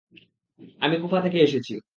আমি কুফা থেকে এসেছি।